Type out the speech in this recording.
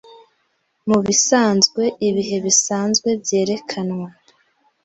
Mubisanzwe ibihe bisanzwe byerekanwa